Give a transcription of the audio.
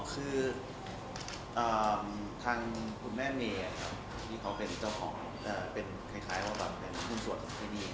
คือทางคุณแม่เมย์ที่เขาเป็นเจ้าของเป็นคล้ายว่าแบบเป็นหุ้นส่วนของที่นี่